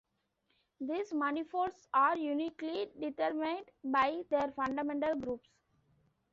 These manifolds are uniquely determined by their fundamental groups.